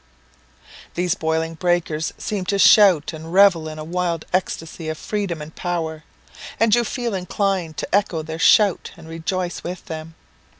These boiling breakers seem to shout and revel in a wild ecstasy of freedom and power; and you feel inclined to echo their shout, and rejoice with them.